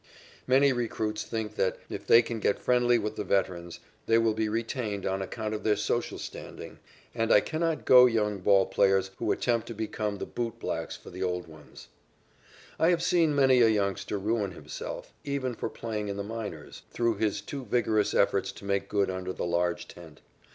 Many recruits think that, if they can get friendly with the veterans, they will be retained on account of their social standing, and I cannot "go" young ball players who attempt to become the bootblacks for the old ones. I have seen many a youngster ruin himself, even for playing in the minors, through his too vigorous efforts to make good under the large tent.